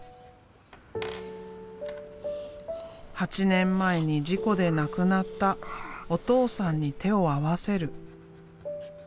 ８年前に事故で亡くなったお父さんに手を合わせる。